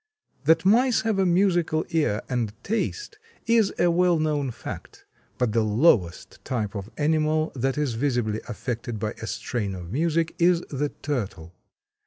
That mice have a musical ear and taste is a well known fact, but the lowest type of animal that is visibly affected by a strain of music is the turtle.